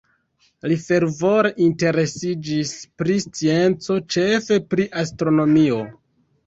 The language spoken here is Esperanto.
Li fervore interesiĝis pri scienco, ĉefe pri astronomio.